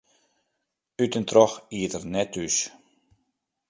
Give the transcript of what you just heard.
Ut en troch iet er net thús.